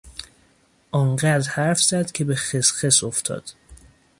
آن قدر حرف زد که به خسخس افتاد.